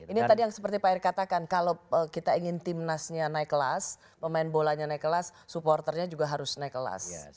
ini tadi yang seperti pak erick katakan kalau kita ingin timnasnya naik kelas pemain bolanya naik kelas supporternya juga harus naik kelas